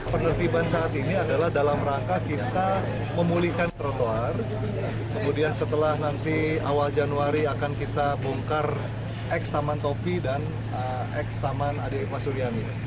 penertiban saat ini adalah dalam rangka kita memulihkan trotoar kemudian setelah awal januari akan kita bongkar x taman topi dan x taman adek pasuliani